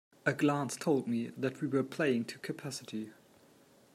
A glance told me that we were playing to capacity.